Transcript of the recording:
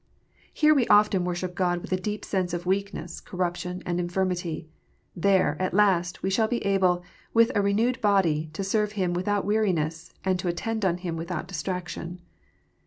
Here we often worship God with a deep sense of weakness, corruption, and infirmity. There, at last, we shall be able, with a renewed body, to serve Him without weariness, and to attend on Him without distraction.